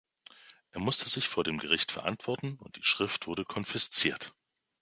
Er musste sich vor dem Gericht verantworten und die Schrift wurde konfisziert.